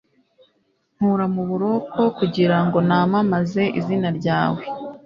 nkura mu buroko, kugira ngo namamaze izina ryawe